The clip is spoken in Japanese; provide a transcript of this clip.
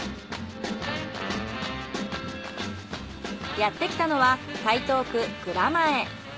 やってきたのは台東区蔵前。